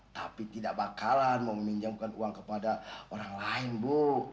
tapi tidak bakalan mau meminjamkan uang kepada orang lain bu